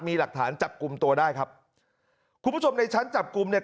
มีหลักฐานจับกลุ่มตัวได้ครับคุณผู้ชมในชั้นจับกลุ่มเนี่ย